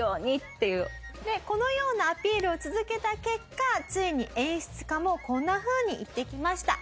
このようなアピールを続けた結果ついに演出家もこんなふうに言ってきました。